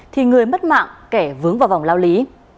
thì người mất mạng kẻ vướng vào vòng lao lý